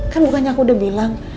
kan bukannya aku udah bilang